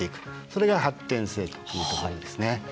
それが発展性というところですね。